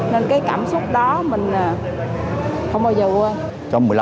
nên cái cảm xúc đó mình không bao giờ quên